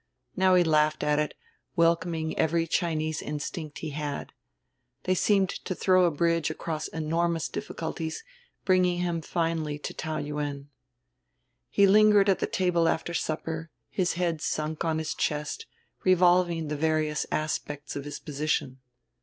Now he laughed at it, welcoming every Chinese instinct he had. They seemed to throw a bridge across enormous difficulties, bringing him finally to Taou Yuen. He lingered at the table after supper, his head sunk on his chest, revolving the various aspects of his position.